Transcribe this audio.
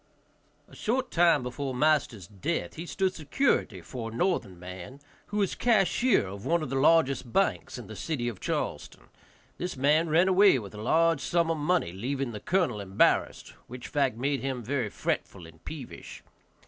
A short time before master's death he stood security for a northern man, who was cashier of one of the largest banks in the city of Charleston. This man ran away with a large sum of money, leaving the colonel embarassed, which fact made him very fretful and peevish.